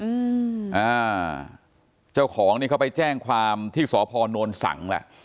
อืมอ่าเจ้าของนี่เขาไปแจ้งความที่สพนสังแหละ